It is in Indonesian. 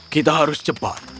kita harus cepat